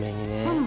うん。